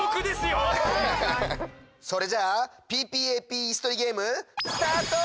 それじゃあＰＰＡＰイスとりゲームスタート！